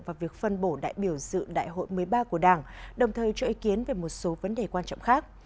và việc phân bổ đại biểu dự đại hội một mươi ba của đảng đồng thời cho ý kiến về một số vấn đề quan trọng khác